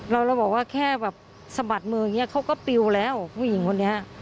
เราบอกว่าแค่แบบสะบัดมืออย่างนี้เขาก็ปิวแล้วผู้หญิงคนนี้